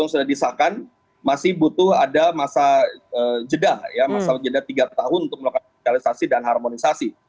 sudah disahkan masih butuh ada masa jeda ya masa jeda tiga tahun untuk melakukan sosialisasi dan harmonisasi